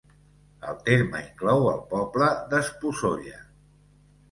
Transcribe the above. El terme inclou el poble d'Esposolla.